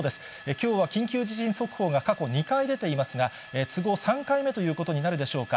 きょうは緊急地震速報が過去２回出ていますが、都合３回目ということになるでしょうか。